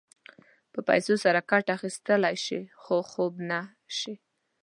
په پیسو سره کټ اخيستلی شې خو خوب نه شې.